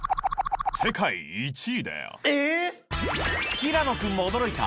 平野君も驚いた